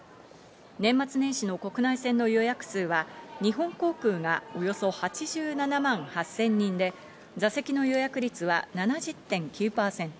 年末年始の国内線の予約数は、日本航空がおよそ８７万８０００人で、座席の予約率は７０．９％。